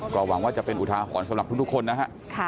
ก็หวังว่าจะเป็นอุทาหรณ์สำหรับทุกคนนะฮะ